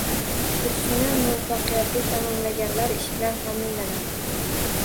Kursni muvaffaqiyatli tamomlaganlar ish bilan taʼminlanadi.